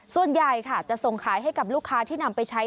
ส่วนใหญ่ค่ะจะส่งขายให้กับลูกค้าที่นำไปใช้